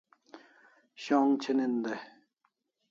Sh'ong chinin dai